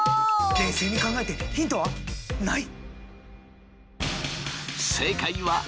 冷静に考えてヒントはない。